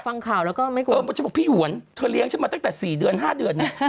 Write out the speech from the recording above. ฟังข่าวแล้วก็ไม่กลัวเออฉันบอกพี่หวนเธอเลี้ยงฉันมาตั้งแต่๔เดือน๕เดือนเนี่ย